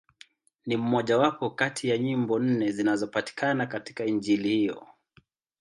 Ni mmojawapo kati ya nyimbo nne zinazopatikana katika Injili hiyo.